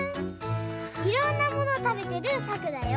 いろんなものをたべてるさくだよ。